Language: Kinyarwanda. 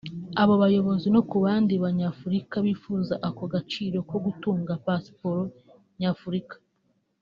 abayobozi no ku bandi banyafurika bifuza ako gaciro ko gutunga pasiporo Nyafurika